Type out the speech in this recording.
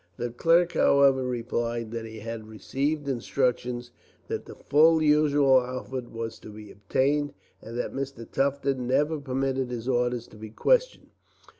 The clerk, however, replied that he had received instructions that the full usual outfit was to be obtained, and that Mr. Tufton never permitted his orders to be questioned.